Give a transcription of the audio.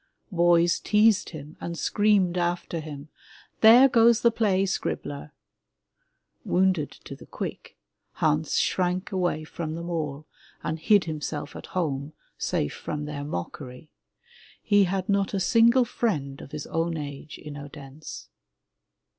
Boys teased him and screamed after him, 'There goes the play scribbler/* Woimded to the quick, Hans shrank away from them all and hid himself at home, safe from their mockery. He had not a single friend of his own age in Odense.